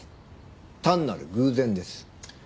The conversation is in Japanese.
単なる偶然です。